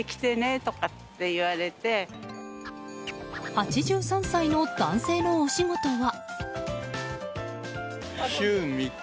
８３歳の男性のお仕事は。